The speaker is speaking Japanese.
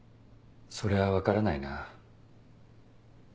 それは分からないな。